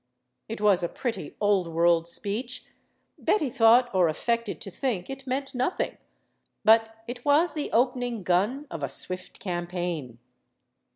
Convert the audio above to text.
It was a pretty, old world speech. Betty thought or affected to think it meant nothing. But it was the opening gun of a swift campaign.